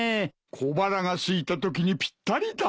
小腹がすいたときにぴったりだ。